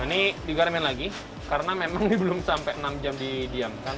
ini digaramin lagi karena memang ini belum sampai enam jam didiamkan